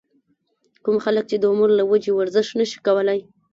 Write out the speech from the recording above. کوم خلک چې د عمر له وجې ورزش نشي کولے